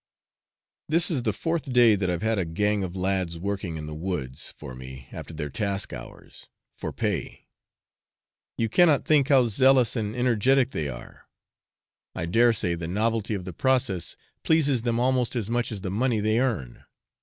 This is the fourth day that I have had a 'gang' of lads working in the woods for me after their task hours, for pay; you cannot think how zealous and energetic they are; I daresay the novelty of the process pleases them almost as much as the money they earn.